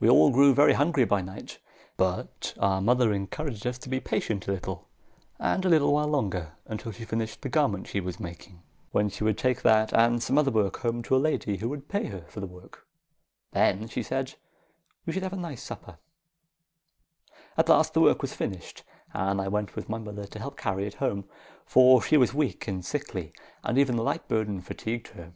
We all grew very hungry by night; but our mother encouraged us to be patient a little and a little while longer, until she finished the garment she was making, when she would take that and some other work home to a lady who would pay her for the work. Then, she said, we should have a nice supper. At last the work was finished, and I went with my mother to help carry it home, for she was weak and sickly, and even a light burden fatigued her.